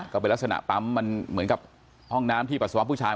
ก็เป็นลักษณะปั๊มมันเหมือนกับห้องน้ำที่ปัสสาวะผู้ชาย